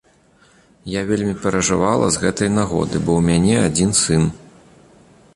Я вельмі перажывала з гэтай нагоды, бо ў мяне адзін сын.